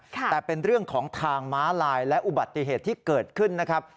แต่เป็นเรื่องของทางม้าลายและอุบัติเหตุที่เกิดขึ้นนะครับ